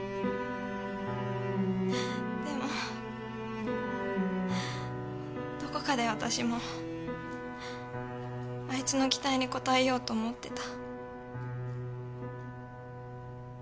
でもどこかで私もあいつの期待に応えようと思ってた。